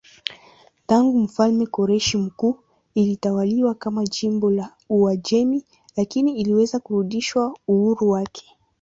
Tangu mfalme Koreshi Mkuu ilitawaliwa kama jimbo la Uajemi lakini iliweza kurudisha uhuru wake.